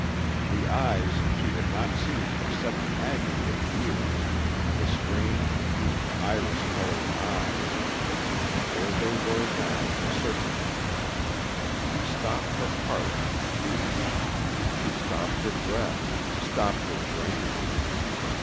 The eyes she had not seen for such an agony of years, the strange, deep, iris colored eyes, there they were now searching her. She stopped her heart in its beating, she stopped her breath, stopped her brain.